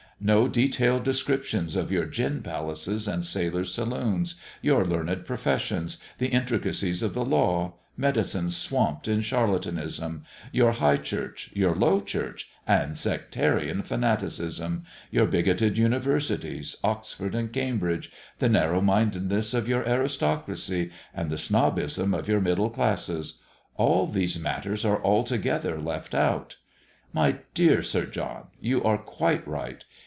No detailed descriptions of your gin palaces and sailors' saloons your learned professions the intricacies of the law medicine swamped in charlatanism your High Church your Low Church, and sectarian fanaticism your bigotted Universities, Oxford and Cambridge the narrow mindedness of your aristocracy, and the snobbism of your middle classes: all these matters are altogether left out. My dear Sir John, you are quite right.